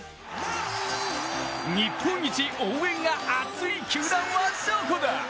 日本一応援が熱い球団はどこだ！